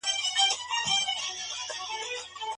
هغه نارينه دی.